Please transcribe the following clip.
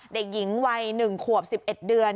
เด็กหญิงวัย๑ขวบ๑๑เดือน